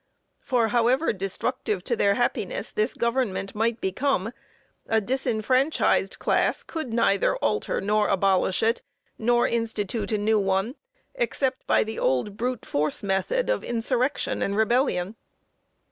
For however destructive to their happiness this government might become, a disfranchised class could neither alter nor abolish it, nor institute a new one, except by the old brute force method of insurrection and rebellion.